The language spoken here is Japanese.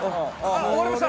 終わりました！